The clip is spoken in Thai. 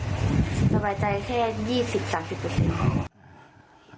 สบายใจแค่๒๐๓๐